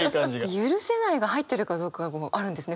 「許せない」が入ってるかどうかあるんですね。